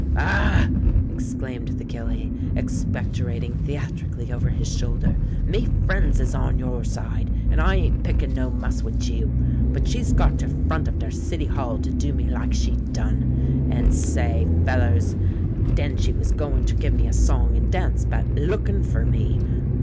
"A a a h!" exclaimed the gilly, expectorating theatrically over his shoulder. "Me friends is on your side, an' I ain't pickin' no muss wid you. But she's got der front of der City Hall to do me like she done. And say, fellers, den she was goin' ter give me a song an' dance 'bout lookin' fer me.